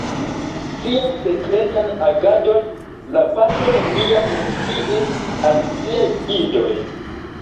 Sian sekretan agadon la patro neniam menciis al siaj idoj.